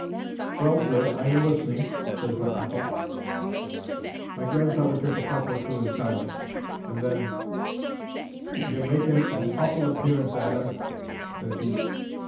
"Well, sir, I am listening," says my uncle. My grandfather took a puff or two in silence; and then, "Ye're makin' an awfu' poor appearance, Aadam," said he.